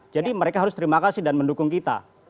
jadi mereka harus terima kasih dan mendukung kita